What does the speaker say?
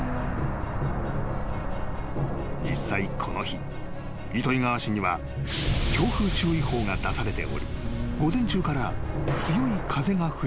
［実際この日糸魚川市には強風注意報が出されており午前中から強い風が吹いていた］